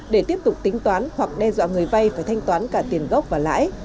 để tiếp tục tính toán hoặc đe dọa người vay phải thanh toán cả tiền gốc và lãi